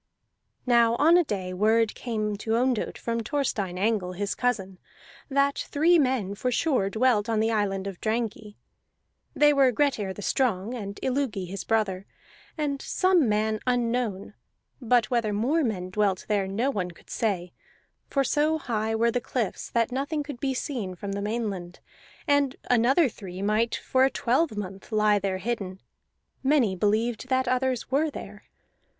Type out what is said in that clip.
Now on a day word came to Ondott from Thorstein Angle his cousin, that three men for sure dwelt on the island of Drangey; they were Grettir the Strong and Illugi his brother and some man unknown; but whether more men dwelt there no one could say, for so high were the cliffs that nothing could be seen from the mainland, and another three might for a twelvemonth lie there hidden. Many believed that others were there.